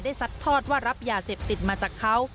ซัดทอดว่ารับยาเสพติดมาจากเขา